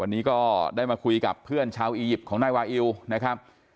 วันนี้ก็ได้มาคุยกับเพื่อนชาวอียิปต์ของนายวาอิวนะครับ